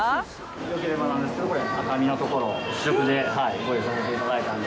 よければなんですけどこれ、赤身のところ試食でご用意させていただいたので。